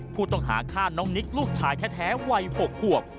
ผู้ต้องหาฆ่าน้องนิกลูกชายแท้วัย๖ขวบ